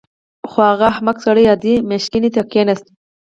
خو هغه احمق سړی عادي ماشینګڼې ته کېناست